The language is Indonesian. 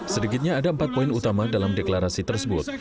sedikitnya ada empat poin utama dalam deklarasi tersebut